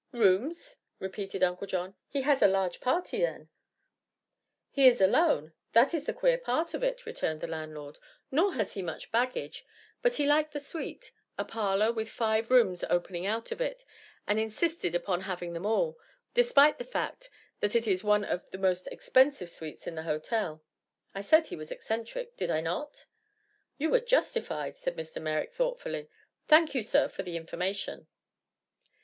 "Rooms?" repeated Uncle John. "Has he a large party, then?" "He is alone; that is the queer part of it," returned the landlord. "Nor has he much baggage. But he liked the suite a parlor with five rooms opening out of it and insisted upon having them all, despite the fact that it is one of the most expensive suites in the hotel. I said he was eccentric, did I not?" "You were justified," said Mr. Merrick, thought fully. "Thank you, sir, for the information."